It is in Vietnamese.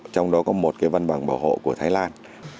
trong đó có một cái văn bằng bảo hộ của thái lan